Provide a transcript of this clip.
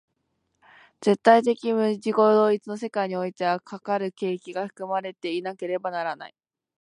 絶対矛盾的自己同一の世界においては、かかる契機が含まれていなければならない。